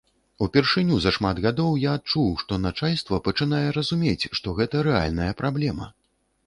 Упершыню за шмат гадоў я адчуў, што начальства пачынае разумець, што гэта рэальная праблема.